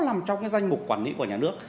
nằm trong cái danh mục quản lý của nhà nước